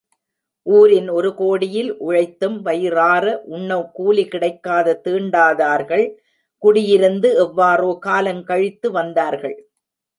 ஊரின் ஒரு கோடியில் உழைத்தும், வயிறாற உண்ண கூலி கிடைக்காத தீண்டாதார்கள் குடியிருந்து, எவ்வாறோ காலங்கழித்து வந்தார்கள்.